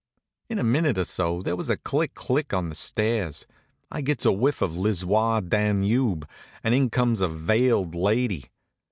In a minute or so there was a click click on the stairs, I gets a whiff of l'Issoir Danube, and in comes a veiled lady.